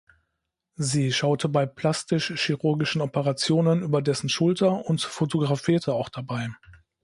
Sie schaute bei plastisch-chirurgischen Operationen über dessen Schulter und fotografierte auch dabei.